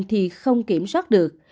thì không kiểm soát được